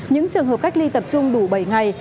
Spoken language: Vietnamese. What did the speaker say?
những trường hợp cách ly tập trung đủ bảy ngày